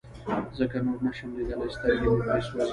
ځکه نور نشم ليدلى سترګې مې پرې سوزي.